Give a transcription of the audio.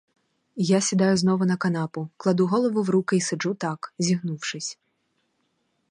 Я сідаю знову на канапу, кладу голову в руки й сиджу так, зігнувшись.